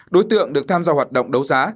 đối tượng được tham gia hoạt động đấu giá